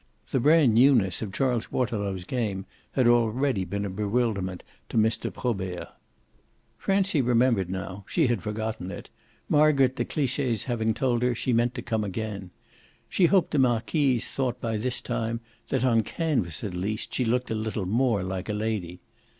The brand newness of Charles Waterlow's game had already been a bewilderment to Mr. Probert. Francie remembered now she had forgotten it Margaret de Cliche's having told her she meant to come again. She hoped the marquise thought by this time that, on canvas at least, she looked a little more like a lady.